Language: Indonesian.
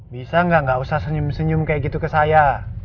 bisa nggak usah senyum senyum kayak gitu ke saya